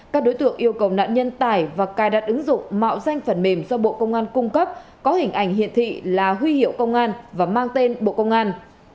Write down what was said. các đối tượng yêu cầu nạn nhân tải và cài đặt ứng dụng mạo danh phần mềm do bộ công an cung cấp có hình ảnh hiện thị là huy hiệu công an và mang tên bộ công an